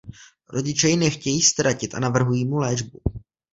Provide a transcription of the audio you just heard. Rodiče jej nechtějí ztratit a navrhují mu léčbu.